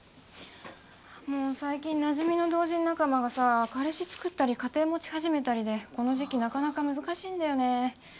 最近なじみの同人仲間がさ彼氏作ったり家庭持ち始めたりでこの時期なかなか難しいんだよね。